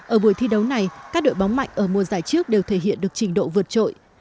ở buổi thi đấu này các đội bóng mạnh ở mùa giải trước đều thể hiện được trình độ vượt trội